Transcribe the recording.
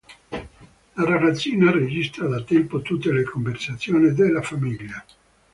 La ragazzina registra da tempo tutte le conversazioni della famiglia.